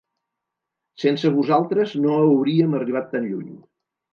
Sense vosaltres no hauríem arribat tan lluny.